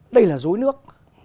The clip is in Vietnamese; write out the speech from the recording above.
đây là rối nước